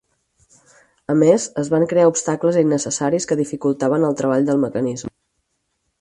A més, es van crear obstacles innecessaris que dificultaven el treball del mecanisme.